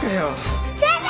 先生！